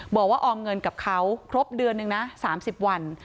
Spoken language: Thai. บอกว่าออมเงินกับเขาครบเดือนหนึ่งนะ๓๐วัน